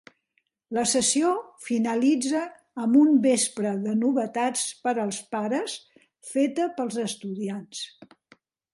La sessió finalitza amb un vespre de novetats per als pares, feta pels estudiants.